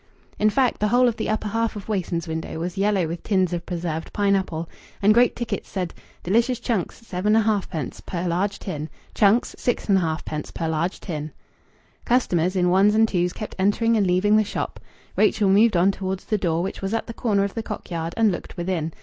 In fact, the whole of the upper half of Wason's window was yellow with tins of preserved pineapple. And great tickets said: "Delicious chunks, 7 1/2d. per large tin. Chunks, 6 1/2d. per large tin." Customers in ones and twos kept entering and leaving the shop. Rachel moved on towards the door, which was at the corner of the Cock yard, and looked within.